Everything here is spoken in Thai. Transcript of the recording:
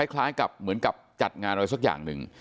คล้ายกับเหมือนกับจัดงานอะไรสักอย่างหนึ่ง